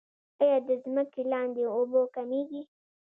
آیا د ځمکې لاندې اوبه کمیږي؟